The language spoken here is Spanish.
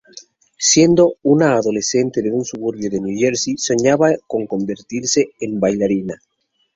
Siendo una adolescente de un suburbio de New Jersey, soñaba con convertirse en bailarina.